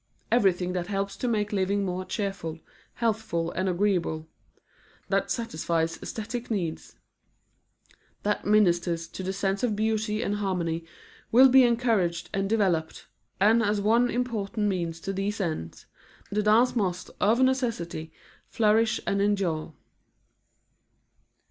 Everything that helps to make living more cheerful, healthful and agreeable; that satisfies aesthetic needs; that ministers to the sense of beauty and harmony, will be encouraged and developed, and as one important means to these ends, the dance must of necessity flourish and endure.